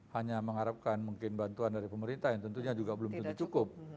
hanya mengharapkan mungkin bantuan dari pemerintah yang tentunya juga belum tentu cukup